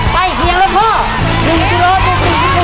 ไปเพียงแล้วพ่อ๑๔๔กิโลกรัมครับ